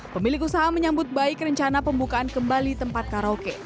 pemilik usaha menyambut baik rencana pembukaan kembali tempat karaoke